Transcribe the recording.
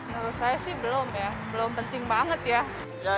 menurut saya sih belum ya belum penting banget ya